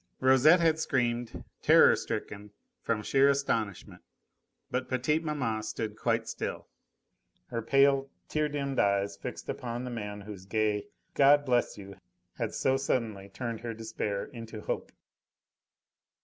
Rosette had screamed, terror stricken, from sheer astonishment, but petite maman stood quite still, her pale, tear dimmed eyes fixed upon the man whose gay "God bless you!" had so suddenly turned her despair into hope.